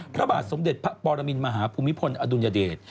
พระบาทสมเด็จพระปรมินมหาภูมิพลอดุลยเดช